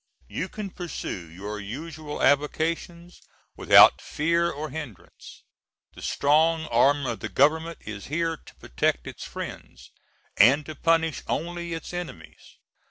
You can pursue your usual avocations without fear or hindrance. The strong arm of the Government is here to protect its friends, and to punish only its enemies.